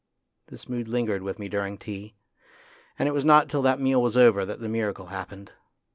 This mood lingered with me during tea, and it was not till that meal was over that the miracle happened.